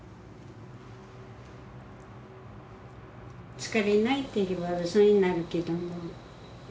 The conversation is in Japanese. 疲れないと言えばうそになるけども。